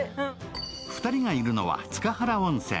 ２人がいるのは塚原温泉。